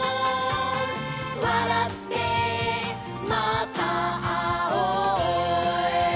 「わらってまたあおう」